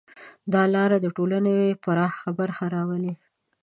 دا لاره د ټولنې پراخه برخه راولي.